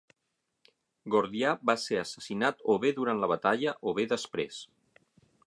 Gordià va ser assassinat o bé durant la batalla, o bé després.